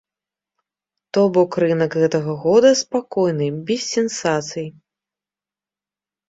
То бок рынак гэтага года спакойны, без сенсацый.